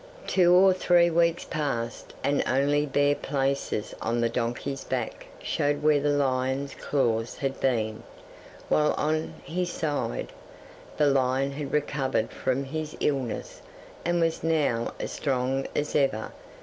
'Two or three weeks passed, and only bare places on the donkey's back showed where the lion's claws had been, while, on his side, the lion had recovered from his illness and was now as strong as ever.